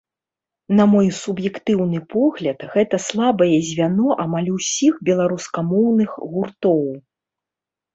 На мой суб'ектыўны погляд, гэта слабае звяно амаль усіх беларускамоўных гуртоў.